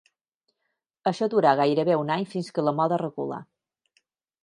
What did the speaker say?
Això durà gairebé un any fins que la moda reculà.